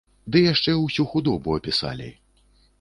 Ды яшчэ ўсю худобу апісалі.